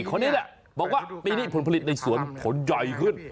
คนนี้แหละบอกว่าปีนี้ผลผลิตในสวนผลใหญ่ขึ้น